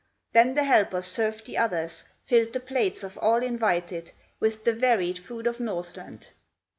Then the helpers served the others, Filled the plates of all invited With the varied food of Northland.